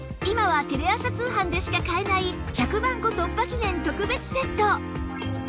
今はテレ朝通販でしか買えない１００万個突破記念特別セット